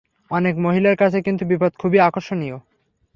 অনেক মহিলার কাছে কিন্তু বিপদ খুবই আকর্ষণীয়।